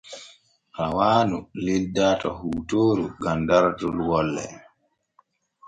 Rawaanu lildaa to hootooru gam dartot wolle.